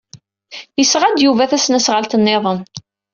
Yesɣa-d Yuba tasnasɣalt niḍen.